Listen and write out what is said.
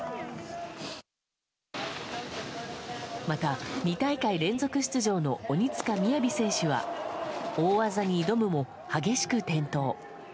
また２大会連続出場の鬼塚雅選手は大技に挑むも、激しく転倒。